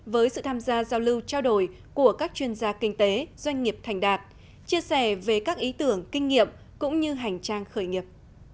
với sự tham gia giao lưu trao đổi của các chuyên gia kinh tế doanh nghiệp thành đạt chia sẻ về các ý tưởng kinh nghiệm cũng như hành trang khởi nghiệp